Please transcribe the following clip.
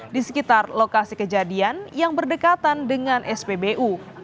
di sekitar lokasi kejadian yang berdekatan dengan spbu